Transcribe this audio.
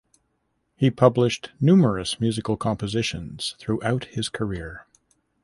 He published numerous musical compositions throughout his career.